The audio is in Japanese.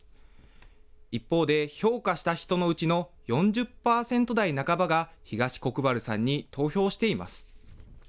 一方で、評価した人のうちの４０％台半ばが、東国原さんに投票しています。